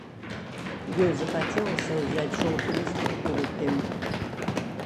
Ёй захацелася ўзяць жоўты лісток у рукі.